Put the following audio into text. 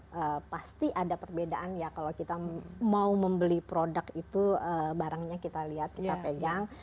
jadi itu pasti ada perbedaan ya kalau kita mau membeli produk itu barangnya kita lihat kita pegang